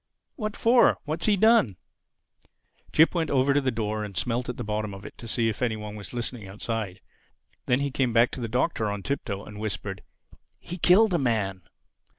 "What for?—What's he done?" Jip went over to the door and smelt at the bottom of it to see if any one were listening outside. Then he came back to the Doctor on tiptoe and whispered, "_He killed a man!